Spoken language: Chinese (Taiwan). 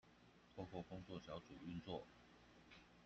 透過工作小組運作